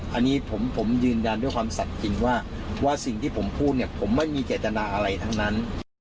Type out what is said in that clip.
อันนี้ผมยืนยันด้วยความสัดจริงว่าสิ่งที่ผมพูดเนี่ยผมไม่มีเจตนาอะไรทั้งนั้น